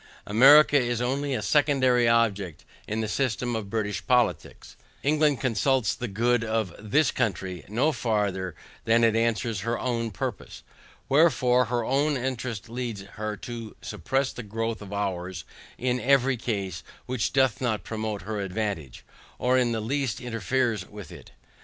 America is only a secondary object in the system of British politics, England consults the good of THIS country, no farther than it answers her OWN purpose. Wherefore, her own interest leads her to suppress the growth of OURS in every case which doth not promote her advantage, or in the least interferes with it.